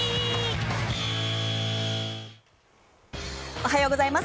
おはようございます。